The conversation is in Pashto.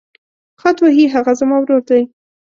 خط وهي هغه زما ورور دی.